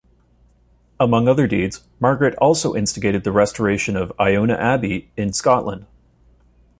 Among other deeds, Margaret also instigated the restoration of Iona Abbey in Scotland.